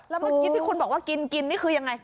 แล้วเมื่อกี้ที่คุณบอกว่ากินกินนี่คือยังไง